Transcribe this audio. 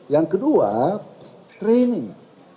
yang kedua training